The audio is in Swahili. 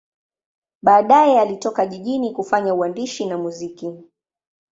Baadaye alitoka jijini kufanya uandishi na muziki.